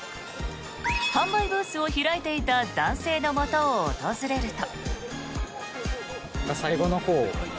販売ブースを開いていた男性のもとを訪れると。